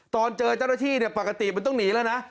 ตอนเจอเจ้าหน้าที่ปกติมันต้องหนีแล้วนะ